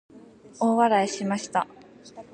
大笑いしました。